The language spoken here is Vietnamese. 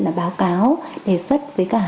là báo cáo đề xuất với cả